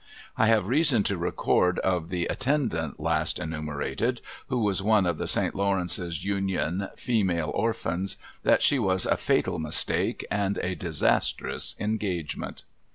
I have reason to record of the at tendant last enumerated, who was one of the Saint Lawrence's Union Female Orphans, that she was a fatal mistake and a dis astrous engagement.